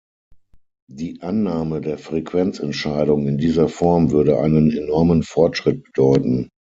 Die Annahme der Frequenzentscheidung in dieser Form würde einen enormen Fortschritt bedeuten.